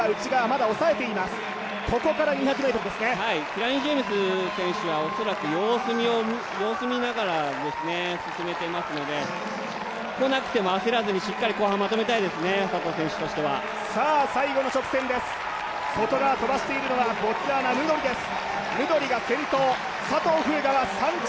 キラニ・ジェームズ選手は恐らく様子を見ながら進めていますので来なくても焦らずにしっかり後半まとめたいですね佐藤選手としては。外側飛ばしているのはボツワナ・ヌドリです。